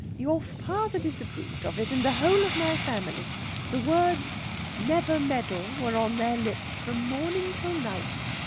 "Your father disapproved of it, and the whole of my family. The words 'never meddle' were on their lips from morning till night.